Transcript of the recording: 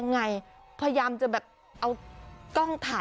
เอาจริงนะ